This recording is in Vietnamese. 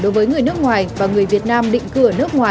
đối với người nước ngoài và người việt nam định cư ở nước ngoài